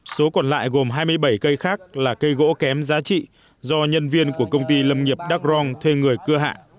số còn lại gồm hai mươi bảy cây khác là cây gỗ kém giá trị do nhân viên của công ty lâm nghiệp đắk rông thuê người cưa hạ